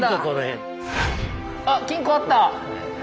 あっ金庫あった！